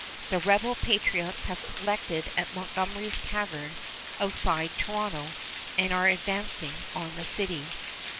The rebel patriots have collected at Montgomery's Tavern outside Toronto, and are advancing on the city.